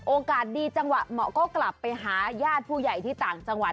โอกาสดีจังหวะเหมาะก็กลับไปหาญาติผู้ใหญ่ที่ต่างจังหวัด